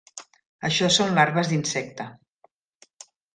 Això són larves d'insecte.